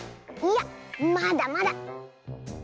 いやまだまだ。